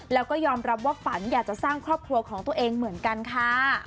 แล้วก็ยอมรับว่าฝันอยากจะสร้างครอบครัวของตัวเองเหมือนกันค่ะ